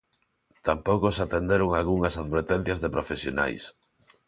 Tampouco se atenderon algunhas advertencias de profesionais.